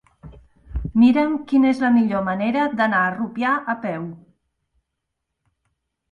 Mira'm quina és la millor manera d'anar a Rupià a peu.